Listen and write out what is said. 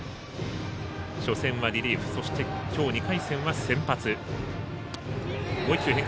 初戦はリリーフそして今日２回戦は先発。